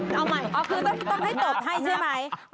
ต้องให้ตบให้ใช่ไหม